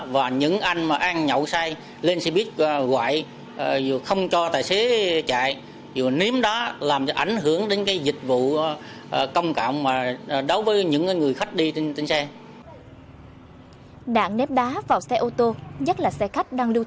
và những anh ăn nhậu say lên xe buýt hoại dù không cho tài xế chạy dù ném đá làm ảnh hưởng đến dịch vụ